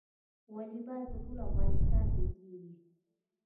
والیبال په ټول افغانستان کې کیږي.